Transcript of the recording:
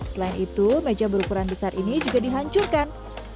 selain itu meja berukuran besar ini juga dihancurkan